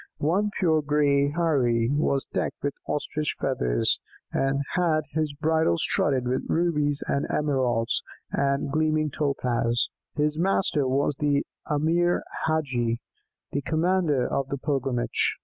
One pure grey Heirie was decked with ostrich feathers, and had his bridle studded with rubies and emeralds, and gleaming topaz. His master was the Emir Hadgi, the commander of the pilgrimage.